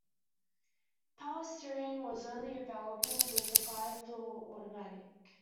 Power steering was only available with the five-door automatic.